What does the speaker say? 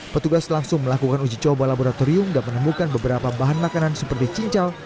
petugas langsung melakukan uji coba laboratorium dan menemukan beberapa bahan makanan seperti cincau